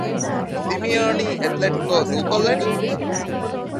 ސިމިއޯނީ އެތުލެޓިކޯ ދޫކޮށްލަނީ؟